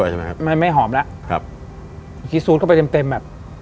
ชี้ซุตเข้าไปเต็มแบบ